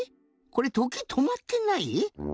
これとけいとまってない？